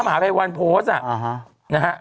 พระมหาภัยวัลโพสต์น่ะ